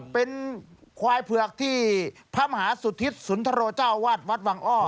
เป็นควายเผือกที่พระมหาสุธิตสุนทรโรเจ้าวาดวัดวังอ้อ